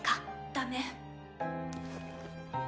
・ダメ。